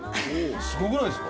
すごくないですか。